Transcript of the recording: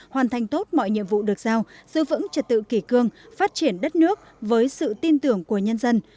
hoàn thành tốt mọi nhiệm vụ được giao giữ vững trật tự kỷ cương phát triển đất nước với sự tin tưởng của nhân dân